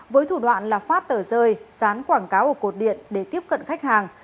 với thủ đoạn là phát tờ rơi dán quảng cáo ở cột điện để tiếp cận khách hàng